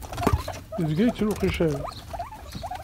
Izga yettru uqcic-a.